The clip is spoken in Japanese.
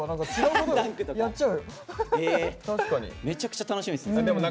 めちゃくちゃ楽しみですね。